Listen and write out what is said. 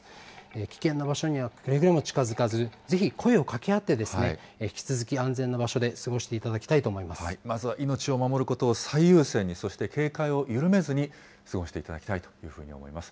危険な場所にはくれぐれも近づかず、ぜひ声をかけ合って、引き続き安全な場所で過ごしていただきまずは命を守ることを最優先に、そして警戒を緩めずに過ごしていただきたいというふうに思います。